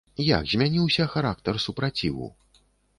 Як змяніўся характар супраціву?